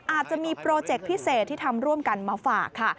อาจจะมีโปรเจคพิเศษที่ทำร่วมกันมาฝากค่ะ